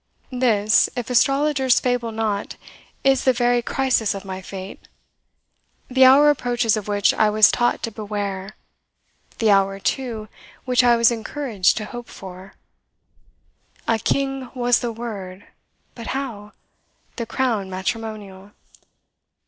This, if astrologers fable not, is the very crisis of my fate! The hour approaches of which I was taught to beware the hour, too, which I was encouraged to hope for. A King was the word but how? the crown matrimonial.